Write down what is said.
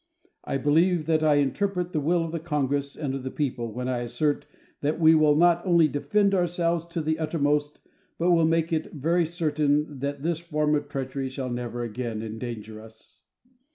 I believe that I interpret the will of the Congress and of the people when I assert that we will not only defend ourselves to the uttermost, but will make it very certain that this form of treachery shall never again endanger us.